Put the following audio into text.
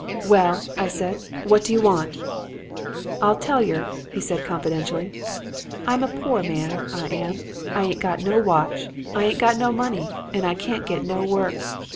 "'Well,' said I, 'What do you want?' "'I'll tell yer,' he said confidentially. 'I'm a pore man, I am; I ain't got no watch, I ain't got no money and I can't get no work.